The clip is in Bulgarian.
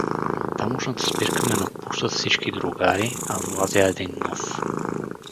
На тамошната спирка ме напущат всички другари, а влазя един нов.